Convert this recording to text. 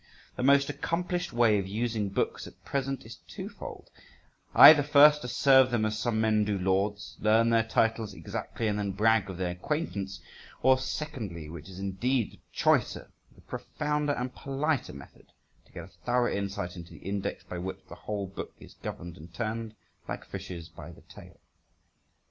The most accomplished way of using books at present is twofold: either first to serve them as some men do lords, learn their titles exactly, and then brag of their acquaintance; or, secondly, which is indeed the choicer, the profounder, and politer method, to get a thorough insight into the index by which the whole book is governed and turned, like fishes by the tail.